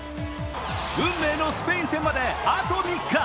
運命のスペイン戦まであと３日。